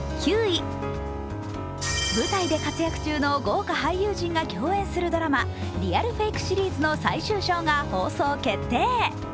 舞台で活躍中の豪華俳優陣が共演するドラマ「ＲＥＡＬ⇔ＦＡＫＥ」シリーズの最終章が放送決定。